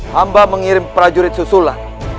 hamba mengirim prajurit susulan